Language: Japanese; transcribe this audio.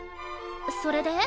それで？